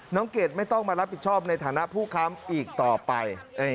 เกดไม่ต้องมารับผิดชอบในฐานะผู้ค้ำอีกต่อไป